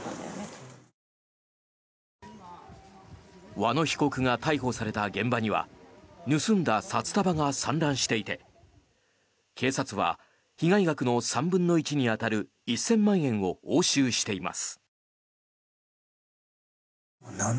和野被告が逮捕された現場には盗んだ札束が散乱していて警察は被害額の３分の１に当たる１０００万円を押収しています。